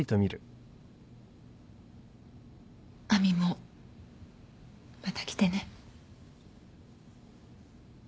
亜美もまた来てね。